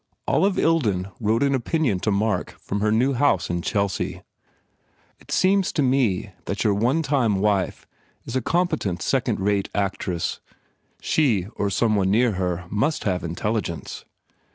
Olive Ilden wrote an opinion to Mark from her new house in Chelsea: "It seems to me that your one time wife is a competent second rate actress. She or someone near her must have intelligence.